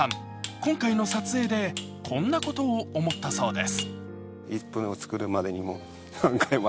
今回の撮影でこんなことを思ったそうです。